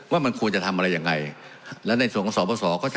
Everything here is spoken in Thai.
ว่ามันควรจะทำอะไรยังไงและในส่วนของสอบประสอก็จะ